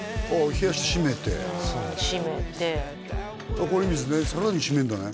冷やして締めて氷水でさらに締めるんだね